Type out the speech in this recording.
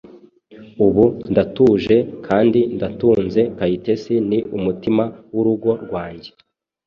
Ubu ndatuje kandi ndatunze, Kayitesi ni umutima w’urugo rwange,